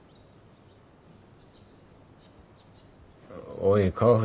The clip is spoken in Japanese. おい川藤